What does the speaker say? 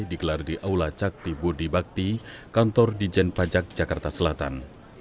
dikelar di aula cakti budi bakti kantor di jen pajak jakarta selatan